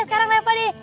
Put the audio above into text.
sekarang reva deh